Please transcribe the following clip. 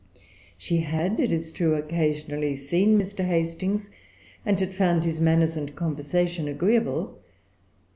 She had, it is true, occasionally seen Mr. Hastings, and had found his manners and conversation agreeable.